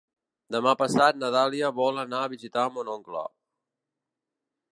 Demà passat na Dàlia vol anar a visitar mon oncle.